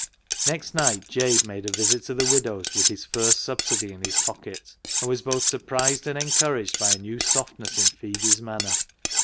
Next night Jabe made a visit to the widow's with his first subsidy in his pocket, and was both surprised and encouraged by a new soft ness in Phebe's manner.